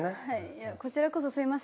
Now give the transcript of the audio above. いやこちらこそすいません。